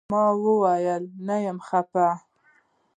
ما وويل نه يم خپه.